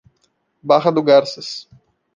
Barra do Garças